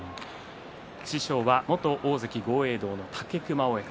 師匠は元大関豪栄道の武隈親方。